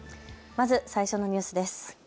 まず最初のニュースです。